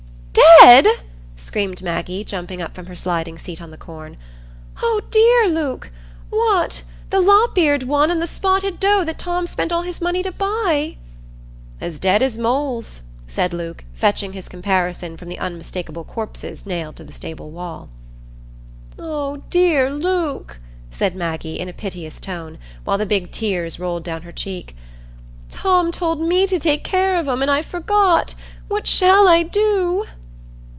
"Dead!" screamed Maggie, jumping up from her sliding seat on the corn. "Oh dear, Luke! What! the lop eared one, and the spotted doe that Tom spent all his money to buy?" "As dead as moles," said Luke, fetching his comparison from the unmistakable corpses nailed to the stable wall. "Oh dear, Luke," said Maggie, in a piteous tone, while the big tears rolled down her cheek; "Tom told me to take care of 'em, and I forgot. What shall I do?"